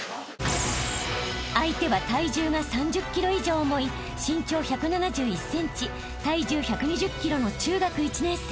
［相手は体重が３０ｋｇ以上重い身長１７１ｃｍ体重１２０ｋｇの中学１年生］